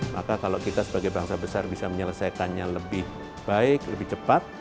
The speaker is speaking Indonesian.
maka kalau kita sebagai bangsa besar bisa menyelesaikannya lebih baik lebih cepat